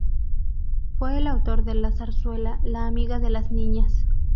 Fue el autor de la zarzuela "La Amiga de las Niñas".